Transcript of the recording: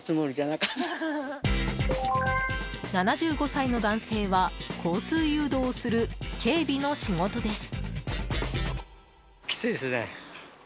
７５歳の男性は交通誘導をする警備の仕事です。